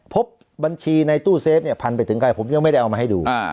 พบบัญชีในตู้เซฟเนี่ยพันไปถึงใครผมยังไม่ได้เอามาให้ดู